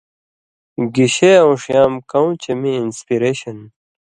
گِشے اؤن٘ݜیام کؤں چے میں اِنسپِریشن،